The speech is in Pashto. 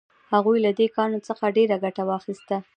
هغوی له دې کاڼو څخه ډیره ګټه واخیسته.